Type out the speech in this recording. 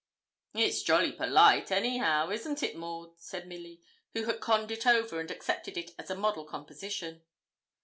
'It's jolly polite anyhow, isn't it Maud?' said Milly, who had conned it over, and accepted it as a model composition.